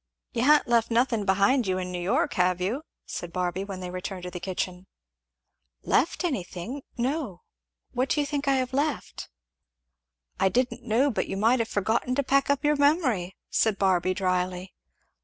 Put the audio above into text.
"You ha'n't left nothing behind you in New York, have you?" said Barby when they returned to the kitchen. "Left anything! no, what do you think I have left?" "I didn't know but you might have forgotten to pack up your memory," said Barby dryly.